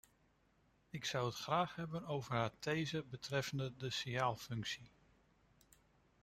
Ik zou het graag hebben over haar these betreffende de signaalfunctie.